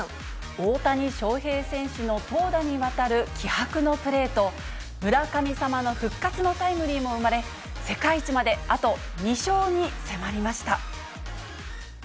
大谷翔平選手の投打にわたる気迫のプレーと、村神様の復活のタイムリーも生まれ、世界一まであと２勝に迫りました。